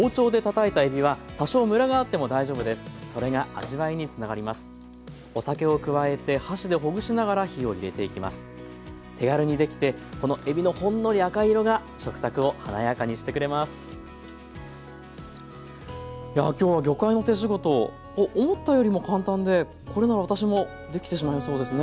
いや今日は魚介の手仕事思ったよりも簡単でこれなら私もできてしまいそうですね。